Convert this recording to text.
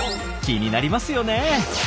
気になりますよね。